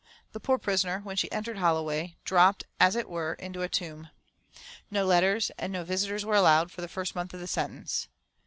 The poor prisoner, when she entered Holloway, dropped, as it were, into a tomb. No letters and no visitors were allowed for the first month of the sentence.